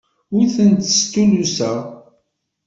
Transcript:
Ur tent-stulluseɣ.